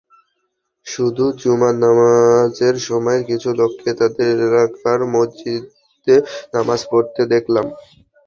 শুধু জুমার নামাজের সময় কিছু লোককে তাদের এলাকার মসজিদে নামাজ পড়তে দেখলাম।